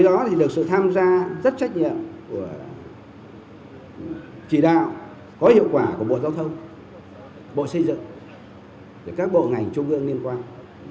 trong đó được sự tham gia rất trách nhiệm của chỉ đạo có hiệu quả của bộ giáo thông bộ xây dựng các bộ ngành trung ương liên quan